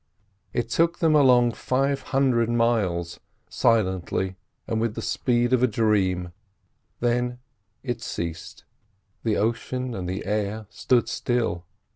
It took them along five hundred miles, silently and with the speed of a dream. Then it ceased. The ocean and the air stood still.